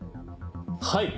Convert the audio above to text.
はい！